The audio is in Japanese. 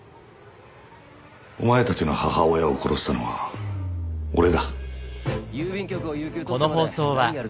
お前たちの母親を殺したのは俺だ。